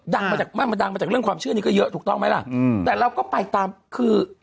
มาจากมันดังมาจากเรื่องความเชื่อนี้ก็เยอะถูกต้องไหมล่ะอืมแต่เราก็ไปตามคือ